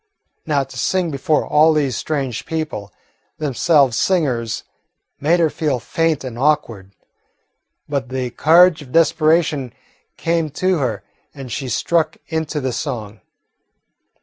Now to sing before all these strange people, themselves singers, made her feel faint and awkward. But the courage of desperation came to her, and she struck into the song.